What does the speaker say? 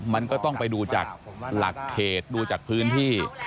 มันก็ต้องไปดูจากหลักเขตดูจากพื้นที่